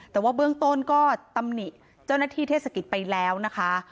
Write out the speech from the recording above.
แต่ว่าเบื้องต้นก็ตำหนิเจ้าหน้าที่เทศกิจไปแล้วนะคะ